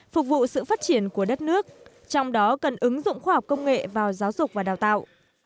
phục vụ sự phát triển của đất nước trong đó cần ứng dụng khoa học công nghệ vào giáo dục và đào tạo